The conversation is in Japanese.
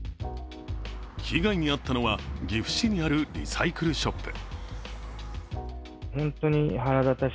被害に遭ったのは、岐阜市にあるリサイクルショップ。